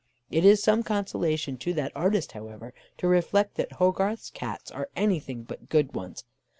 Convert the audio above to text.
It is some consolation to that artist, however, to reflect that Hogarth's Cats are anything but good ones.